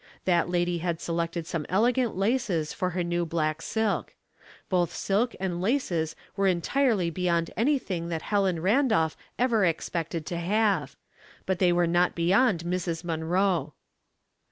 That lady had selected some elegant laces for her new black silk. Both silk and laces were entirely beyond anj^thing that Helen Randolph ever expected to have; but they were not beyond Mrs. Munroe.